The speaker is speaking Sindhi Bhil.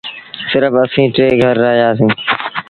سرڦ اَسيٚݩ ٽي گھر رهيآ سيٚݩ۔